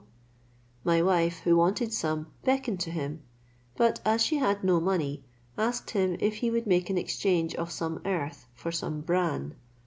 My wife, who wanted some, beckoned to him: but as she had no money, asked him if he would make an exchange of some earth for some bran.